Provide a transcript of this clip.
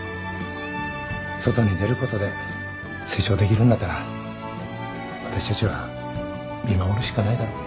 外に出ることで成長できるんだったら私たちは見守るしかないだろ。